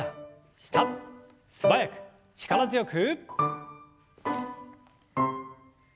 素早く力強く。